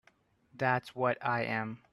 That's what I am.